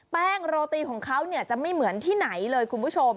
โรตีของเขาจะไม่เหมือนที่ไหนเลยคุณผู้ชม